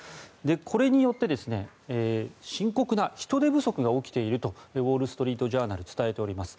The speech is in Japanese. これによって深刻な人手不足が起きているとウォール・ストリート・ジャーナル、伝えております。